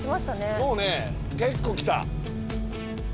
そうね結構来た。